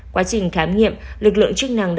quá trình khám nghiệm lực lượng chức năng